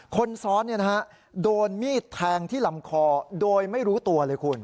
คนซ้อนโดนมีดแทงที่ลำคอโดยไม่รู้ตัวเลยคุณ